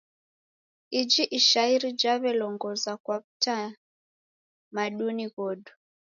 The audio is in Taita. Iji ishairi jaw'elongoza kwa w'utamaduni ghodu.